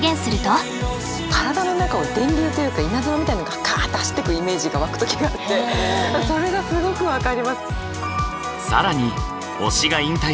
体の中を電流というか稲妻みたいのがかぁって走っていくイメージが湧く時があってそれがすごく分かります。